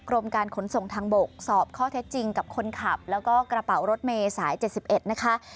กรมการขนส่งทางบกสอบข้อเท็จจริงกับคนขับแล้วก็กระเป๋ารถเมย์สาย๗๑นะคะ